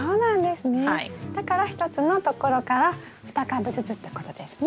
だから１つのところから２株ずつってことですね。